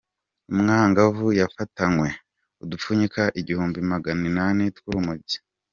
Umwangavu yafatanywe udupfunyika Igihumbi Maganinani tw’urumogi